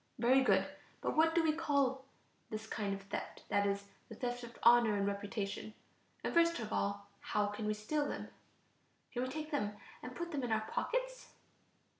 Very good; but what do we call this kind of theft, that is, the theft of honor and reputation? And first of all, how can we steal them? Can we take them and put them in our pockets?